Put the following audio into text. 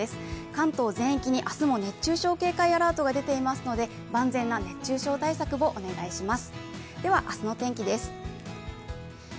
関東全域に明日も熱中症警戒アラートが出ていますので万全な熱中症対策をお願いします。